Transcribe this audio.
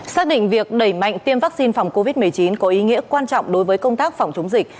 xác định việc đẩy mạnh tiêm vaccine phòng covid một mươi chín có ý nghĩa quan trọng đối với công tác phòng chống dịch